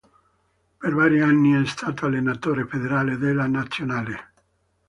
Per vari anni è stato allenatore federale della Nazionale.